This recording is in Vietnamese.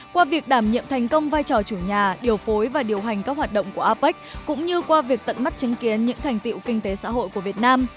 qua việc đảm nhiệm thành công vai trò chủ nhà điều phối và điều hành các hoạt động của apec cũng như qua việc tận mắt chứng kiến những thành tiệu kinh tế xã hội của việt nam